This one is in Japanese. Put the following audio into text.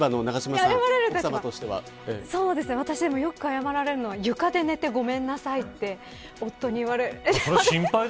私、よく謝られるのは床で寝てごめんなさいって夫に言われます。